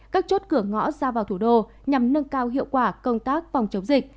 các chốt cửa ngõ ra vào thủ đô nhằm nâng cao hiệu quả công tác phòng chống dịch